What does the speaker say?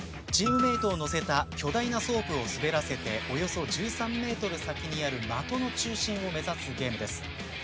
チームメートを乗せた巨大なソープを滑らせておよそ１３ｍ先にある的の中心を目指すゲームです。